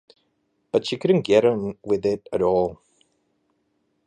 But she couldn't get on with it at all.